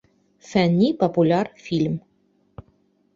Фәнни-популяр фильм